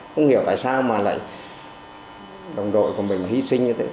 không hiểu tại sao mà lại đồng đội của mình hy sinh như thế